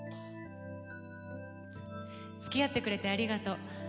つき合ってくれてありがとう。